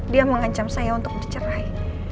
dia mengancam saya untuk bercerai